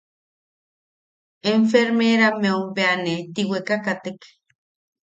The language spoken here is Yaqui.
Enfermeammeu bea ne tiweka katek.